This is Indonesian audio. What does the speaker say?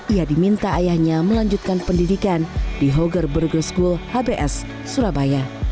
ia diminta ayahnya melanjutkan pendidikan di hoger burger school hbs surabaya